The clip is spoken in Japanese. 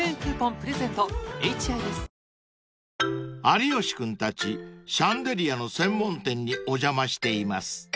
［有吉君たちシャンデリアの専門店にお邪魔しています］